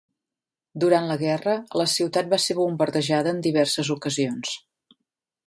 Durant la guerra la ciutat va ser bombardejada en diverses ocasions.